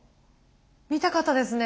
見たかったですね